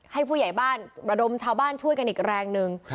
ผู้ใหญ่บ้านระดมชาวบ้านช่วยกันอีกแรงหนึ่ง